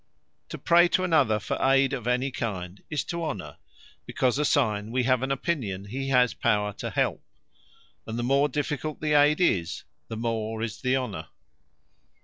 To Honour and Dishonour To pray to another, for ayde of any kind, is to HONOUR; because a signe we have an opinion he has power to help; and the more difficult the ayde is, the more is the Honour.